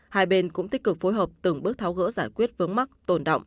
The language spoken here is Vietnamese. hai bên cũng tích cực phối hợp từng bước tháo gỡ giải quyết vướng mắc tồn động